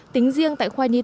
tính riêng tại khoa nhịp